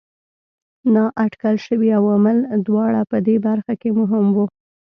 نااټکل شوي عوامل دواړه په دې برخه کې مهم وو.